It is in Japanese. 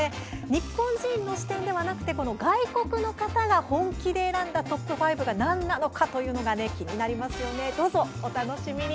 日本人の視点ではなくて外国の方が本気で選んだトップ５というのが何なのか気になりますよね。